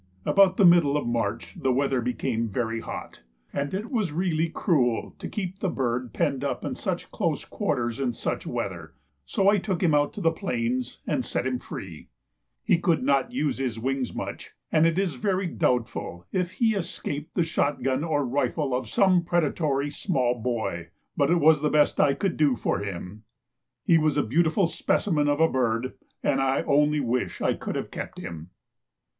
About the middle of March the weather became very hot, and it was really cruel to keep the bird penned up in such close quarters in such weather, so I took him out to the plains and set him free. He could not use his wings much, and it is very doubtful if he escaped the shotgun or rifle of some predatory small boy, but it was the best I could do for him. He was a beautiful specimen of a bird, and I only wish I could have kept him.